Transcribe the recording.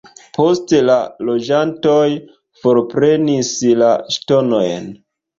Poste la loĝantoj forprenis la ŝtonojn.